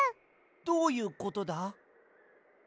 どういうことだ？